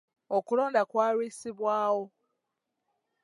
Okulonda kwalwisibwawo.